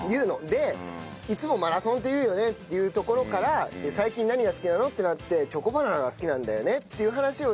でいつもマラソンって言うよねっていうところから最近何が好きなの？ってなってチョコバナナが好きなんだよねっていう話をして。